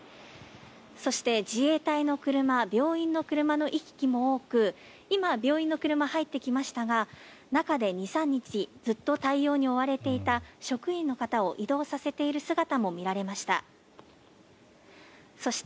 そして、自衛隊の車病院の車の行き来も多く今、病院の車入ってきましたが中で２３日ずっと対応に追われていた職員の方を移動させている姿も見られました。